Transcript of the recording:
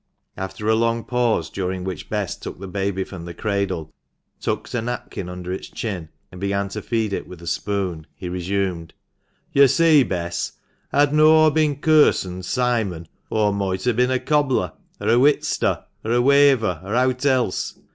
After a long pause, during which Bess took the baby from the cradle, tucked a napkin under its chin, and began to feed it with a spoon, he resumed —" Yo' see, Bess, hadna aw bin kirsened Simon, aw moight ha' bin a cobbler, or a whitster, f* or a wayver, or owt else.